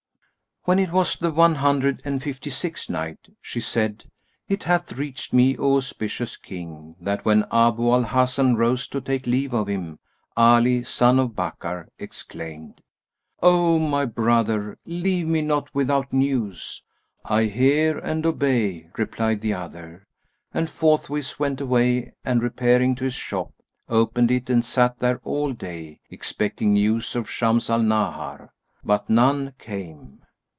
When it was the One Hundred and Fifty sixth Night, She said, It hath reached me, O auspicious King, that when Abu al Hasan rose to take leave of him, Ali son of Bakkar exclaimed, "O my brother, leave me not without news." "I hear and obey," replied the other; and forthwith went away and, repairing to his shop, opened it and sat there all day, expecting news of Shams al Nahar. But none came.